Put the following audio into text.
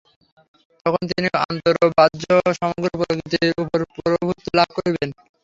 তখন তিনি আন্তর ও বাহ্য সমগ্র প্রকৃতির উপর প্রভুত্ব লাভ করিবেন।